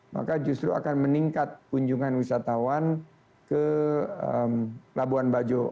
maka justru akan meningkat kunjungan wisatawan ke labuan bajo